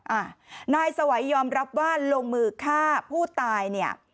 อ่านายสวัยยอมรับว่าลงมือฆ่าผู้ตายเนี่ย